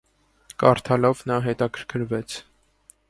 Կարդալով նա հետաքրքրվեց։